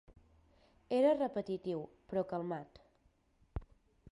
Era repetitiu, però calmat.